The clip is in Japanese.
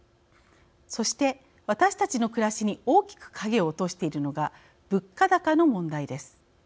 そして私たちの暮らしに大きく影を落としているのが物価高の問題です。